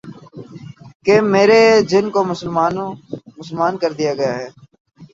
کہ میرے جن کو مسلمان کر دیا گیا ہے